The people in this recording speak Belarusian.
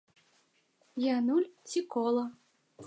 Я нуль, ці кола.